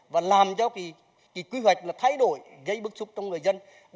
và làm cho quy hoạch thay đổi gây bức xúc trong người dân